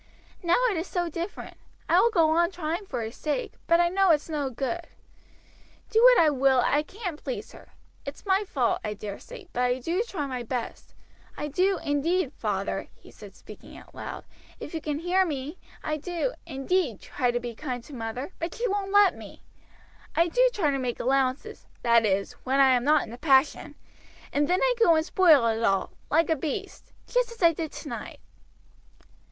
Now it is so different. I will go on trying for his sake; but I know it's no good. Do what I will, I can't please her. It's my fault, I dare say, but I do try my best. I do, indeed, father," he said, speaking out loud; "if you can hear me, I do, indeed, try to be kind to mother, but she won't let me. I do try to make allowances, that is, when I am not in a passion, and then I go and spoil it all, like a beast, just as I did tonight.